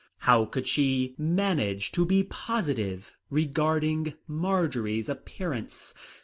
How could she manage to be positive regarding Marjory's appearance?